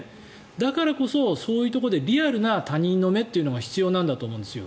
だからこそ、そういうところでリアルな他人の目というのが必要なんだと思うんですよ。